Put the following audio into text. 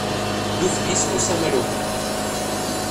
douze BIS rue Saint-Malo